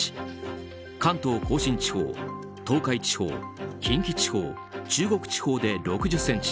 関東・甲信地方東海地方、近畿地方中国地方で６０ｃｍ